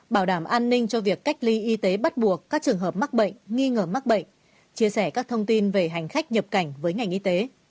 bảo đảm an ninh cho việc cách ly y tế bắt buộc các trường hợp mắc bệnh nghi ngờ mắc bệnh chia sẻ các thông tin về hành khách nhập cảnh với ngành y tế